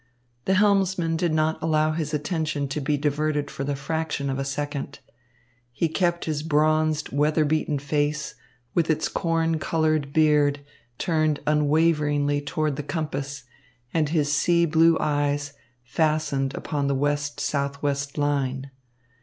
The helmsman did not allow his attention to be diverted for the fraction of a second. He kept his bronzed, weather beaten face with its corn coloured beard turned unwaveringly toward the compass, and his sea blue eyes fastened upon the west southwest line.